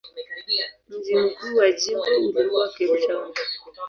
Mji mkuu wa jimbo ulikuwa Cape Town.